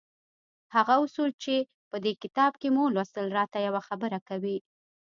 هغه اصول چې په دې کتاب کې مو ولوستل را ته يوه خبره کوي.